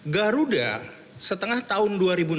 garuda setengah tahun dua ribu enam belas